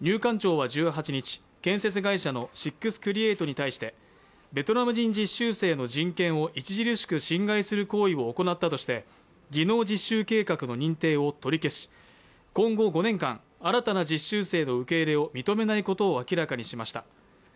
入管庁は１８日、建設会社のシックスクリエイトに対してベトナム人実習生の人権を著しく侵害する行為を行ったとして技能実習計画の認定を取り消し、今後５年間新たな実習生の受け入れを認めないことを明らかにしました。